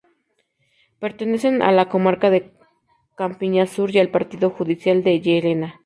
Pertenece a la comarca de Campiña Sur y al partido judicial de Llerena.